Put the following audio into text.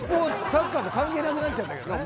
サッカーと関係なくなっちゃったけどね。